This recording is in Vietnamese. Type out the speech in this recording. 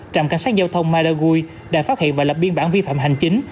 trạm cảnh sát giao thông madagui đã phát hiện và lập biên bản vi phạm hành chính